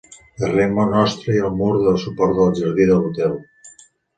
Darrer nostre hi ha el mur de suport del jardí de l'hotel.